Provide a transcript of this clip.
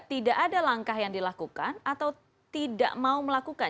tidak ada langkah yang dilakukan atau tidak mau melakukan